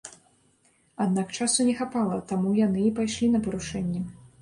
Аднак часу не хапала, таму яны і пайшлі на парушэнне.